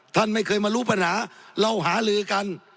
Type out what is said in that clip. ท่านไม่เคยมารู้ปัญหาเราหาลือกัน